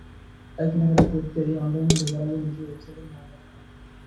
তাই কেনাকাটা করতে অনলাইনে ঢোকার আগে নিজেই ওয়েবসাইটের নাম লেখা ভালো।